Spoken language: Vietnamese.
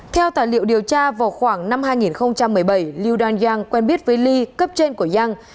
theo tài liệu điều tra vào khoảng năm hai nghìn một mươi bảy liu danjiang quen biết với ly cấp trên của giang